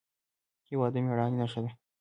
هېواد د مېړانې نښه ده.